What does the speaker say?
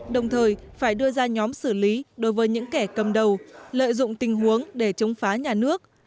đồng thời phải đưa ra nhóm xử lý đối với những kẻ cầm đầu lợi dụng tình huống để chống phá nhà nước